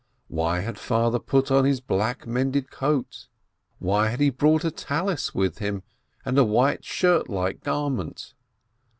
Why had Father put on his black mended cloak ? Why had he brought a Tallis with him, and a white shirt like garment?